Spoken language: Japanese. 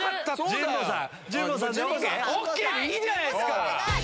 ＯＫでいいんじゃないですか？